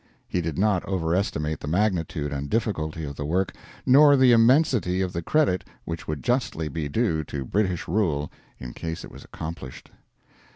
He did not overestimate the magnitude and difficulty of the work, nor the immensity of the credit which would justly be due to British rule in case it was accomplished.